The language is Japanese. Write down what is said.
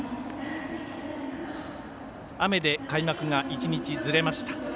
雨で開幕が１日ずれました。